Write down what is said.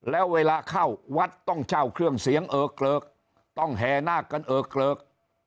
แล้วเวลาเข้าวัดต้องเช่าเครื่องเสียงเออเกลิกต้องแห่นาคกันเออเกลิก